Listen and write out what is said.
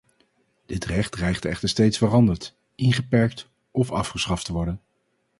Dit recht dreigde echter steeds veranderd, ingeperkt of afgeschaft te worden.